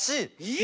え！？